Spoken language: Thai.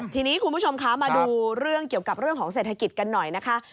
ทีนี้คุณผู้ชมคะมาดูเรื่องเกี่ยวกับเรื่องของเศรษฐกิจกันหน่อยนะคะ